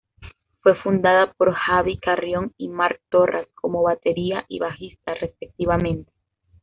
Fue fundada por Javi Carrión y Marc Torras como batería y bajista, respectivamente.